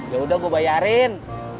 yaudah gua bayarin